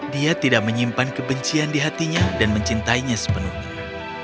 dia tidak menyimpan kebencian di hatinya dan mencintainya sepenuhnya